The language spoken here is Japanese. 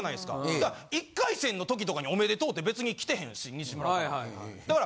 だから１回戦の時とかにおめでとうって別に来てへんし西村から。